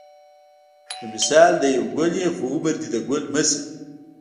په مثال دې یو ګل یې خو عمر دې ګل مه شه